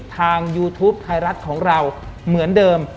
ยูทูปไทยรัฐของเราเหมือนเดิม